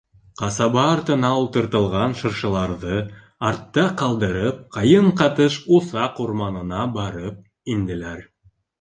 Ҡасаба артына ултыртылған шыршыларҙы артта ҡалдырып, ҡайын ҡатыш уҫаҡ урманына барып инделәр.